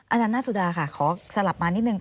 อาจารย์หน้าสุดาค่ะขอสลับมานิดนึง